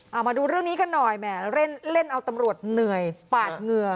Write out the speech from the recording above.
เอามาดูเรื่องนี้กันหน่อยแหมเล่นเล่นเอาตำรวจเหนื่อยปาดเหงื่อ